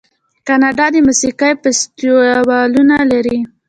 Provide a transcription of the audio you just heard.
کاناډا د موسیقۍ فستیوالونه لري.